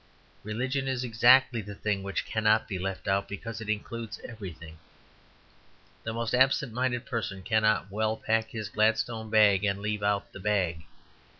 Religion is exactly the thing which cannot be left out because it includes everything. The most absent minded person cannot well pack his Gladstone bag and leave out the bag.